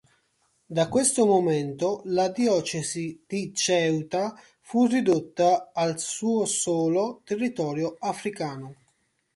Da questo momento, la diocesi di Ceuta fu ridotta al suo solo territorio africano.